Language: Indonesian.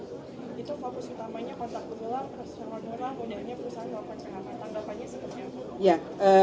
itu hapus utamanya kontak berulang persoalan murah undang undangnya perusahaan bawa pencengakan